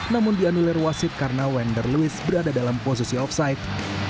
namun dianulir wasit karena wender louis berada dalam posisi offside